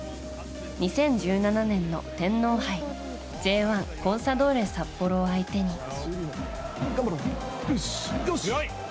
２０１７年の天皇杯、Ｊ１コンサドーレ札幌を相手に。